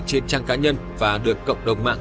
trên trang cá nhân và được cộng đồng mạng